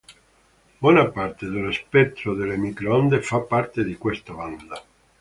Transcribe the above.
Buona parte dello spettro delle microonde fa parte di questa banda.